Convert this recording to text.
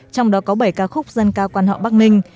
trong đó có bảy ca khúc dân ca quan họ bắc ninh